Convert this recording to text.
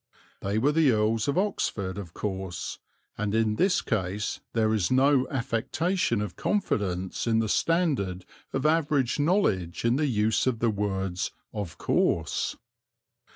They were the Earls of Oxford of course, and in this case there is no affectation of confidence in the standard of average knowledge in the use of the words "of course."